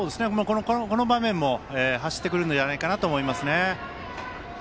この場面も走ってくるのではないかと思います。